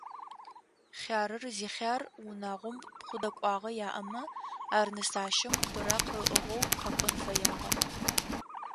Хъярыр зихъяр унагъом пхъу дэкӏуагъэ яӏэмэ, ар нысащэм быракъ ыӏыгъэу къэкӏон фэягъэ.